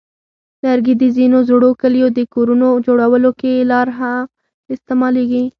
لرګي د ځینو زړو کلیو د کورونو جوړولو کې لا هم استعمالېږي.